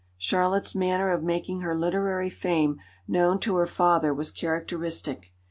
Charlotte's manner of making her literary fame known to her father was characteristic.